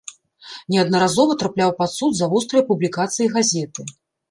Неаднаразова трапляў пад суд за вострыя публікацыі газеты.